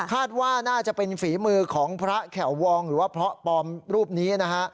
คาดว่าน่าจะเป็นฝีมือของพระแข่ววองหรือว่าพระปลอมรูปนี้นะฮะ